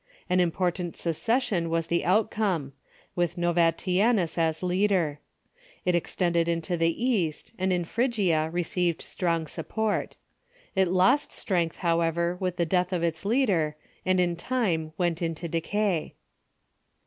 An important se cession was the outcome, with Novatianus as leader. It ex tended into the East, and in Phrygia received strong support. It lost strength, however, with the death of its leader, and in time went into decay.